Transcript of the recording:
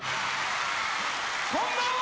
こんばんは！